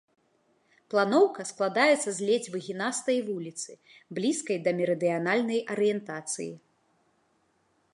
Планоўка складаецца з ледзь выгінастай вуліцы, блізкай да мерыдыянальнай арыентацыі.